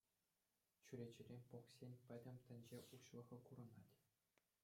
Чӳречерен пӑхсен пӗтӗм тӗнче уҫлӑхӗ курӑнать.